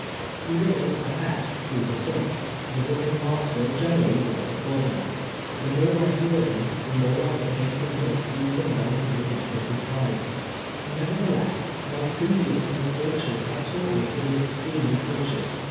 Tie remained at Epps' through the siimmer, visiting Marksville generally once a fortnight. Tlie more I saw of him, the more I became convinced he was a man in whom I could confide. J^^evertheless, my j^revious ill fortune had taught me to be extremely cautious.